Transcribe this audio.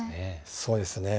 そうですね。